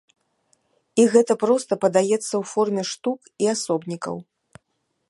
І гэта проста падаецца ў форме штук і асобнікаў.